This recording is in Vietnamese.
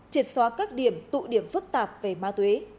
triệt xóa các điểm tụ điểm phức tạp về ma túy